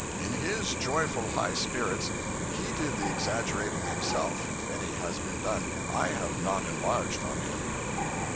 In his joyful high spirits, he did the exaggerating himself, if any has been done. I have not enlarged on him.